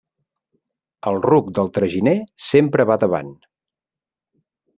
El ruc del traginer sempre va davant.